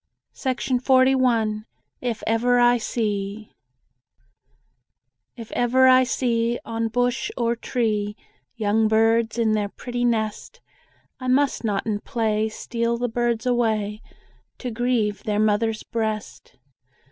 JANE TAYLOR IF EVER I SEE If ever I see, On bush or tree, Young birds in their pretty nest, I must not in play, Steal the birds away, To grieve their mother's breast.